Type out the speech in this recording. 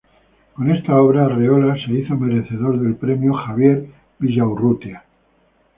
Con esta obra Arreola se hizo merecedor del premio Xavier Villaurrutia.